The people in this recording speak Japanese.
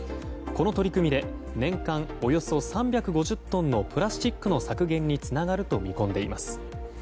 この取り組みで年間およそ３５０トンのプラスチックの削減につながると見込んでいます。